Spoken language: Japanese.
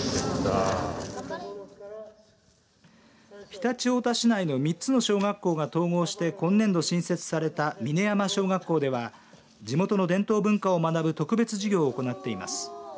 常陸太田市内の３つの小学校が統合して今年度新設された峰山小学校では地元の伝統文化を学ぶ特別授業を行っています。